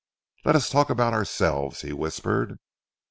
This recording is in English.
"Let us talk about ourselves," he whispered.